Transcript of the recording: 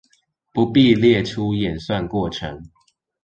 不必列出演算過程